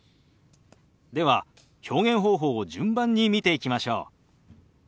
では表現方法を順番に見ていきましょう。